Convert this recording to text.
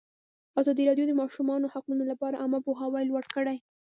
ازادي راډیو د د ماشومانو حقونه لپاره عامه پوهاوي لوړ کړی.